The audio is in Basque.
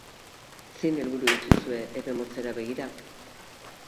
Zein helburu dituzue epe motzera begira?